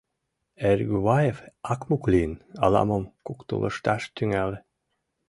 Эргуваев, акмук лийын, ала-мом куктылышташ тӱҥале.